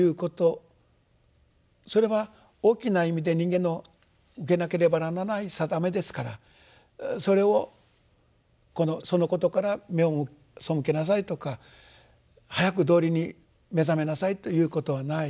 それは大きな意味で人間の受けなければならない定めですからそれをそのことから目を背けなさいとか早く道理に目覚めなさいということはない。